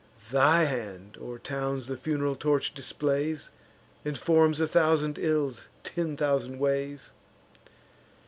Thy hand o'er towns the fun'ral torch displays, And forms a thousand ills ten thousand ways.